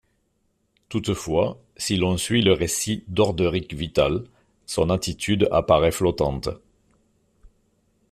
Toutefois, si l'on suit le récit d'Orderic Vital, son attitude apparaît flottante.